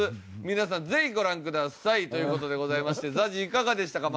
皆さんぜひご覧ください。という事でございましてＺＡＺＹいかがでしたか？